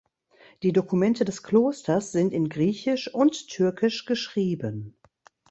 Die Dokumente des Klosters sind in Griechisch und Türkisch geschrieben.